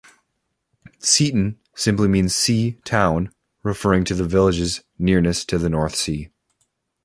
'Seaton' simply means 'sea town', referring to the village's nearness to the North Sea.